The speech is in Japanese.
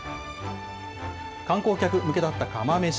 観光客向けだった釜めし。